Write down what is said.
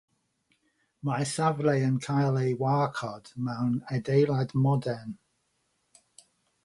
Mae'r safle'n cael ei warchod mewn adeilad modern.